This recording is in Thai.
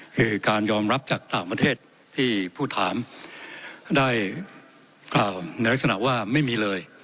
คือการยอมรับจากต่างประเทศที่ผู้ถามได้กล่าวในลักษณะว่าไม่มีเลย